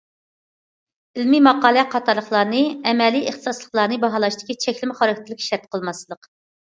ئىلمىي ماقالە قاتارلىقلارنى ئەمەلىي ئىختىساسلىقلارنى باھالاشتىكى چەكلىمە خاراكتېرلىك شەرت قىلماسلىق.